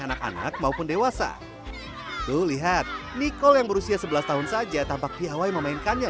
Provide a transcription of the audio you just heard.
anak anak maupun dewasa tuh lihat niko yang berusia sebelas tahun saja tampak piawai memainkannya